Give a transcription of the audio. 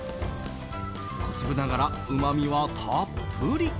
小粒ながら、うまみはたっぷり。